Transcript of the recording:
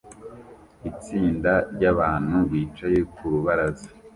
Itsinda ryabantu bicaye ku rubaraza